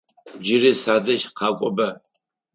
Джыри садэжь къакӏоба!